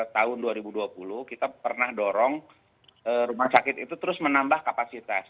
tahun dua ribu dua puluh kita pernah dorong rumah sakit itu terus menambah kapasitas